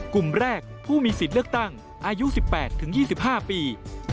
กลุ่มแรกผู้มีสิทธิ์เลือกตั้งอายุ๑๘๒๕ปี